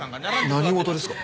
何事ですか？